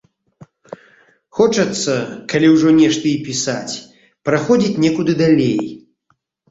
Хочацца, калі ўжо нешта і пісаць, праходзіць некуды далей.